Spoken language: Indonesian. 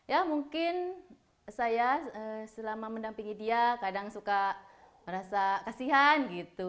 ya mungkin saya selama mendampingi dia kadang suka merasa kasihan gitu